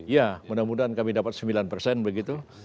ya mudah mudahan kami dapat sembilan persen begitu